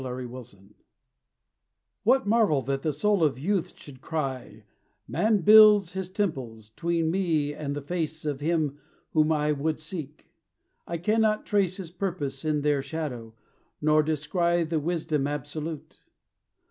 ARARAT What marvel that the soul of youth should cry, "Man builds his temples 'tween me and the face Of Him whom I would seek; I cannot trace His purpose in their shadow, nor descry The wisdom absolute?"